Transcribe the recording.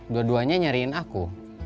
dua duanya nyariin aku